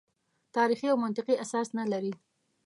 تاریخي او منطقي اساس نه لري.